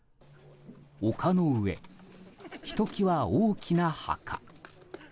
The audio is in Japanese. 丘の上、ひときわ大きな墓。